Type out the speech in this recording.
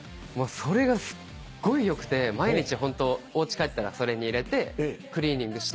それがすっごい良くて毎日ホントおうち帰ったらそれに入れてクリーニングして。